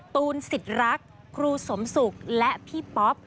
ตูนสิทธิ์รักครูสมศุกร์และพี่ป๊อป